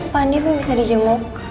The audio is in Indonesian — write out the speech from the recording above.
pak andi belum bisa dijemur